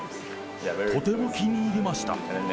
とても気に入りました。